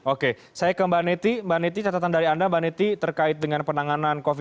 oke saya ke mbak neti mbak neti catatan dari anda mbak neti terkait dengan penanganan covid sembilan belas